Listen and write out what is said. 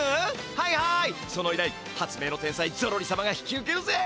はいはいそのいらい発明の天才ゾロリさまが引き受けるぜ！